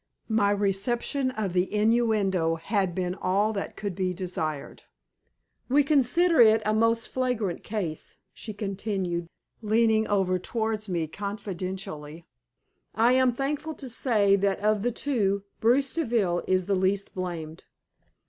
My reception of the innuendo had been all that could be desired. "We consider it a most flagrant case," she continued, leaning over towards me confidentially. "I am thankful to say that of the two Bruce Deville is the least blamed."